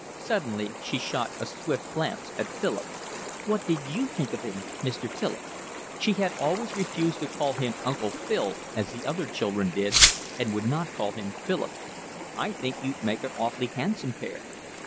Suddenly she shot a swift glance at Philip. "What did you think of him, Mr. Philip?" She had always refused to call him Uncle Phil as the other children did, and would not call him Philip. "I think you'd make an awfully handsome pair."